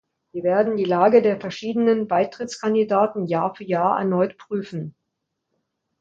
Wir werden die Lage der verschiedenen Beitrittskandidaten Jahr für Jahr erneut prüfen.